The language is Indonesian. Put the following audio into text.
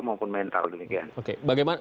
maupun mental demikian oke bagaimana